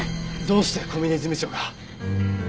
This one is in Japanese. どうして小嶺事務長が？